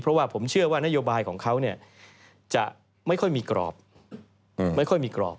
เพราะว่าผมเชื่อว่านโยบายของเขาจะไม่ค่อยมีกรอบ